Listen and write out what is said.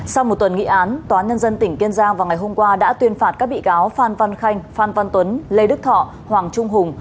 sau một tuần nghị án tòa nhân dân tỉnh kiên giang vào ngày hôm qua đã tuyên phạt các bị cáo phan văn khanh phan văn tuấn lê đức thọ hoàng trung hùng